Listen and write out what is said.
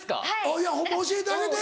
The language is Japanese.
いやホンマ教えてあげて。